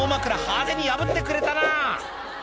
派手に破ってくれたな！」